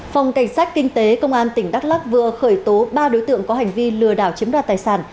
phòng cảnh sát kinh tế công an tỉnh đắk lắc vừa khởi tố ba đối tượng có hành vi lừa đảo chiếm đoạt tài sản